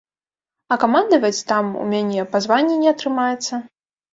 А камандаваць там у мяне па званні не атрымаецца.